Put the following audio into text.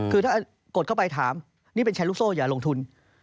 คือถ้ากดเข้าไปถามนี่เป็นแชร์ลูกโซ่อย่าลงทุน